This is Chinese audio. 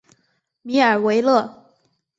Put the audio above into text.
米尔维勒。